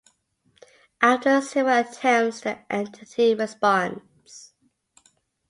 After several attempts, the entity responds.